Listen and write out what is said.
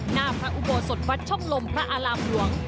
หน้าพระอุโบสถวัดช่องลมพระอารามหลวง